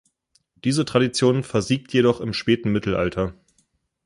Diese Tradition versiegt jedoch im späten Mittelalter.